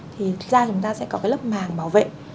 thì da chúng ta sẽ có cái lớp màng bảo vệ